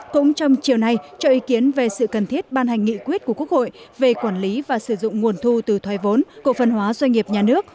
cũng trong chiều nay cho ý kiến về sự cần thiết ban hành nghị quyết của quốc hội về quản lý và sử dụng nguồn thu từ thoái vốn cổ phân hóa doanh nghiệp nhà nước